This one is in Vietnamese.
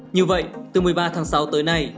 như vậy từ một mươi ba tháng sáu tới nay